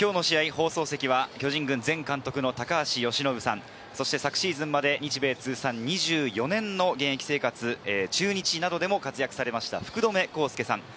放送席は、巨人軍前監督の高橋由伸さん、昨シーズンまで日米通算２４年の現役生活中日などで活躍されました、福留孝介さん。